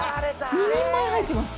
２人前入ってます。